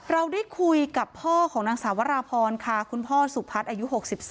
เราได้คุยกับพ่อของนางสาวราพรค่ะคุณพ่อสุพัฒน์อายุ๖๒